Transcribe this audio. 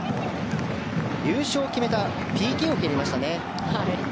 優勝を決めるＰＫを蹴りました。